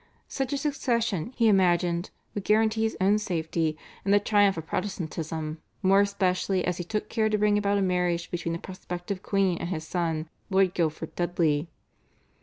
Such a succession, he imagined, would guarantee his own safety and the triumph of Protestantism, more especially as he took care to bring about a marriage between the prospective queen and his son, Lord Guildford Dudley.